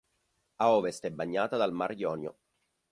A ovest è bagnata dal Mar Ionio.